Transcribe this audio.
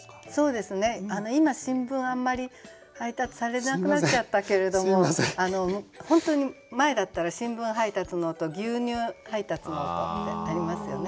あんまり配達されなくなっちゃったけれども本当に前だったら「新聞配達の音」「牛乳配達の音」ってありますよね。